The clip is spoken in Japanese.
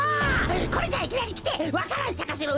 これじゃいきなりきて「わか蘭さかせろ！」